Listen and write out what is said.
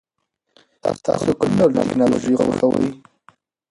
تاسو کوم ډول ټیکنالوژي خوښوئ؟